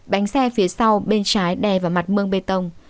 bánh xe phía sau bên trái đè vào mặt mương bê tông